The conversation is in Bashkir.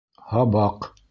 Һабаҡ